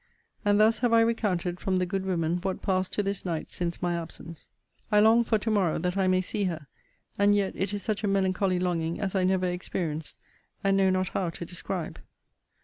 And thus have I recounted from the good women what passed to this night since my absence. I long for to morrow, that I may see her: and yet it is such a melancholy longing as I never experienced, and know not how to describe.